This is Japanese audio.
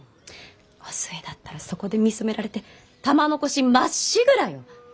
お寿恵だったらそこで見初められて玉のこしまっしぐらよ！